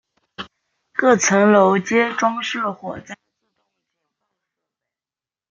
各层楼皆装设火灾自动警报设备。